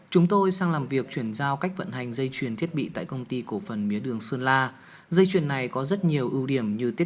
chúng tôi sang làm việc chuyển sản xuất dây chuyển công nghệ